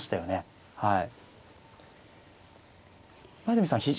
はい。